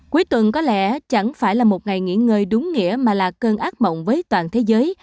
cuối tuần có lẽ chẳng phải là một ngày nghỉ ngơi đúng nghĩa mà là cơn ác mộng với toàn thế giới